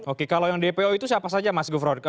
oke kalau yang dpo itu siapa saja mas gufron